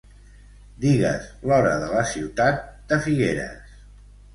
Digues l'hora de la ciutat de Figueres.